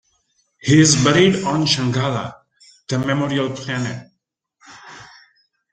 He is buried on Shanghalla, the memorial planet.